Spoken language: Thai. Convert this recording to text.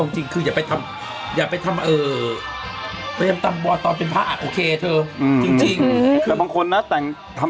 ใส่มงคลนะ